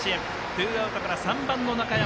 ツーアウトから３番の中山。